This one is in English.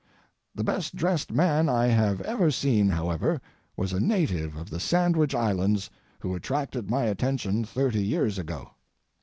The best dressed man I have ever seen, however, was a native of the Sandwich Islands who attracted my attention thirty years ago.